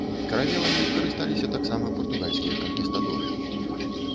Каравеламі карысталіся таксама партугальскія канкістадоры.